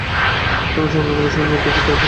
সঙ্গে সঙ্গে অন্যান্য বিষয়েও উন্নতি হতে থাকবে।